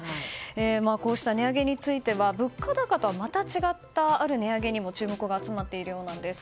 こうした値上げについては物価高とはまた違ったある値上げにも注目が集まっているようなんです。